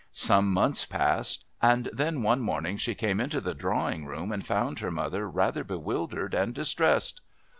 Some months passed, and then one morning she came into the drawing room and found her mother rather bewildered and distressed.